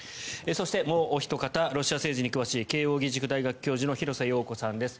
そしてもうおひと方ロシア政治に詳しい慶應義塾大学教授の廣瀬陽子さんです。